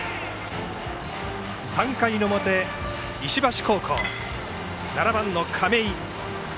３回の表、石橋高校は７番の亀井。